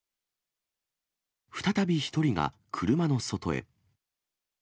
再び１人が車の外へ。